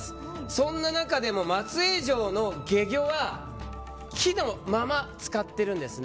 そんな中でも松江城の懸魚は木のまま使っているんです。